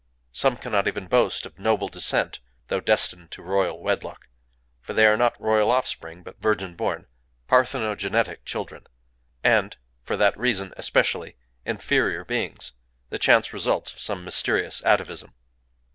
Some cannot even boast of noble descent, though destined to royal wedlock; for they are not royal offspring, but virgin born,—parthenogenetic children,—and, for that reason especially, inferior beings, the chance results of some mysterious atavism.